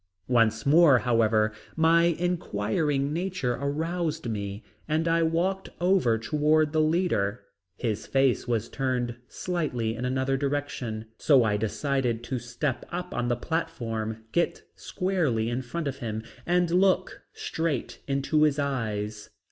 Once more, however, my inquiring nature aroused me and I walked over toward the leader. His face was turned slightly in another direction, so I decided to step up on the platform, get squarely in front of him and look straight into his eyes.